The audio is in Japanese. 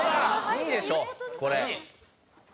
２位でしょこれ。